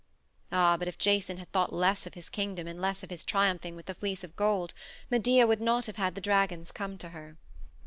Ah, but if Jason had thought less of his kingdom and less of his triumphing with the Fleece of Gold, Medea would not have had the dragons come to her.